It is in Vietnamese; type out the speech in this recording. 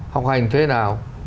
học hành thế nào